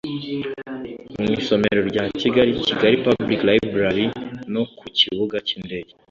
mu isomero rya Kigali (Kigali Public Library) no ku Kibuga cy’indege